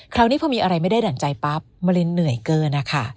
คราวนี้พอมีอะไรไม่ได้ดั่งใจปั๊บมันเลยเหนื่อยเกินนะคะ